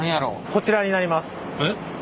こちらになります。